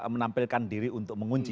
menampilkan diri untuk mengunci